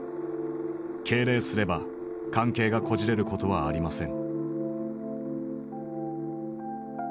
敬礼すれば関係がこじれることはありません」。